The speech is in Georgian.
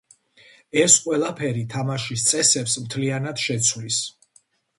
ეს ყველაფერი თამაშის წესებს მთლიანად შეცვლის.